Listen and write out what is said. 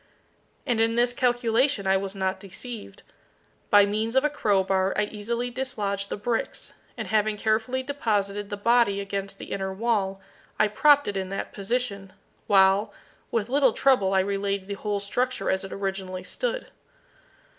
And in this calculation I was not deceived. By means of a crowbar I easily dislodged the bricks, and having carefully deposited the body against the inner wall, I propped it in that position, while with little trouble I relaid the whole structure as it originally stood.